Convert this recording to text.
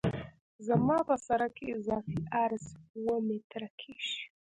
زما په سرک کې اضافي عرض اوه متره کیږي